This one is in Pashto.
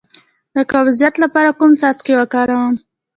د قبضیت لپاره کوم څاڅکي وکاروم؟